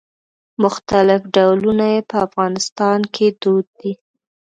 مختلف ډولونه یې په افغانستان کې دود دي.